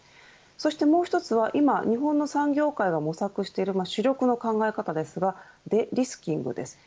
そしてもう１つは今日本の産業界が模索している主力の考え方ですがデリスキングです。